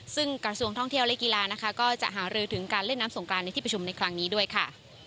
ซึ่งกระทรวงท่องเที่ยวและกีฬานะคะก็จะหารือถึงการเล่นน้ำสงกรานในที่ประชุมในครั้งนี้ด้วยค่ะ